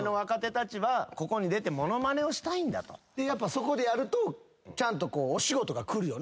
そこでやるとちゃんとお仕事がくるよな。